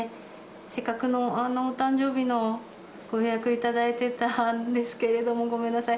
せっかくのお誕生日のご予約いただいてたんですけれども、ごめんなさい。